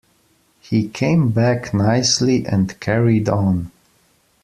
He came back nicely and carried on.